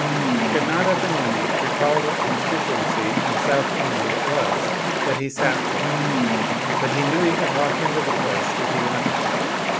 He could not at the moment recall what constituency in South England it was that he sat for; but he knew he could walk into the place if he wanted to.